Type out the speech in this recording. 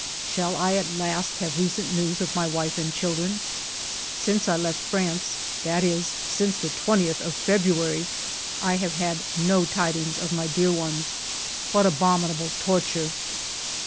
Shall I at last have recent news of my wife and children ? Since I left France, ALFRED DREYFUS 137 that is, since the 20th of February, I have had no tidings of my dear ones. What abominable torture